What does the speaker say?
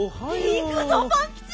いくぞパンキチ！